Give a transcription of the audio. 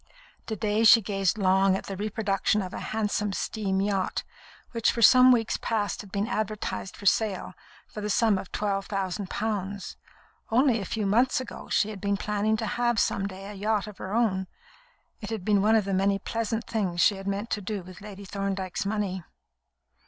To day she gazed long at the reproduction of a handsome steam yacht, which for some weeks past had been advertised for sale, for the sum of twelve thousand pounds. Only a few months ago, she had been planning to have some day a yacht of her own. It had been one of the many pleasant things she had meant to do with Lady Thorndyke's money.